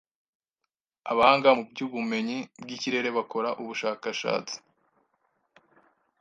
abahanga mu by’ubumenyi bw’ikirere bakora ubushakashats